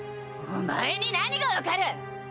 お前に何が分かる！